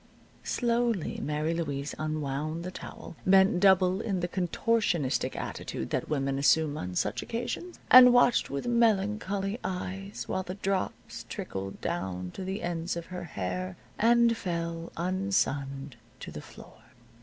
Slowly Mary Louise unwound the towel, bent double in the contortionistic attitude that women assume on such occasions, and watched with melancholy eyes while the drops trickled down to the ends of her hair, and fell, unsunned, to the floor.